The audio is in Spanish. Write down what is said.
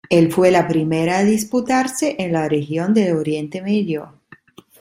El fue la primera a disputarse en la región de Oriente Medio.